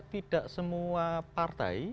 tidak semua partai